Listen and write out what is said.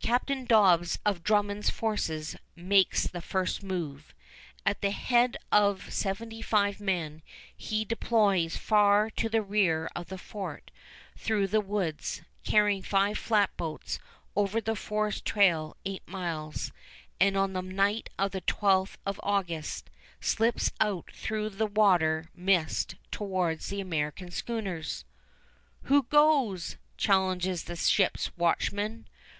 Captain Dobbs of Drummond's forces makes the first move. At the head of seventy five men, he deploys far to the rear of the fort through the woods, carrying five flatboats over the forest trail eight miles, and on the night of the 12th of August slips out through the water mist towards the American schooners. "Who goes?" challenges the ships' watchman.